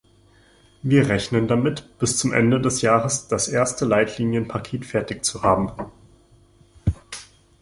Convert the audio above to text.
Wir rechnen damit, bis zum Ende des Jahres das erste Leitlinienpaket fertig zu haben.